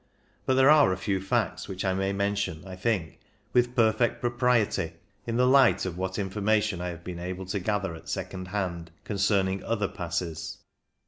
But there are a few facts which I may mention, I think, with perfect pro priety in the light of what information I have been able to gather at second hand concerning other passes.